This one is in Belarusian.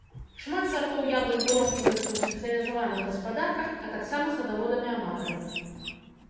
Шмат сартоў яблынь вырошчваецца ў спецыялізаваных гаспадарках, а таксама садаводамі-аматарамі.